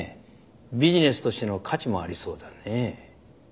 ビジネスとしての価値もありそうだね。